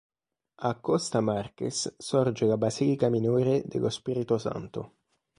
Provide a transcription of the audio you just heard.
A Costa Marques sorge la basilica minore dello Spirito Santo.